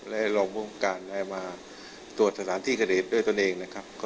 และลองผู้อุปการณ์มาตรวจสถานที่เกดตด้วยตนเอง